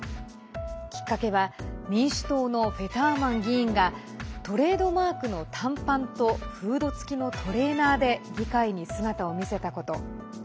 きっかけは民主党のフェターマン議員がトレードマークの短パンとフード付きのトレーナーで議会に姿を見せたこと。